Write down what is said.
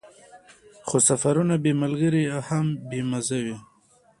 خو سفرونه بې له ملګرو هم بې مزې وي.